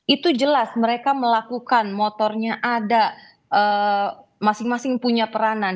itu jelas mereka melakukan motornya ada masing masing punya peranan